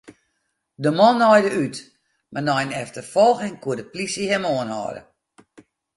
De man naaide út, mar nei in efterfolging koe de plysje him oanhâlde.